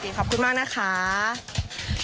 โอเคขอบคุณมากนะครับ